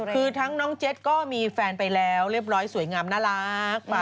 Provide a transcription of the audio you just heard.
คือทั้งน้องเจ็ดก็มีแฟนไปแล้วเรียบร้อยสวยงามน่ารัก